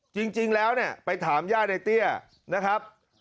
จริงแล้วไปถามญาติในเตี้ยนะครับ